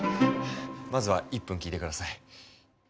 まずは１分聞いて下さい。